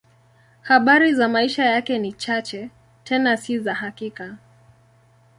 Habari za maisha yake ni chache, tena si za hakika.